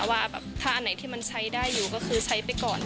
ว่าถ้าอันไหนที่มันใช้ได้อยู่ก็คือใช้ไปก่อน